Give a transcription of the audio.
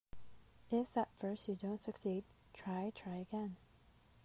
If at first you don't succeed, try, try again.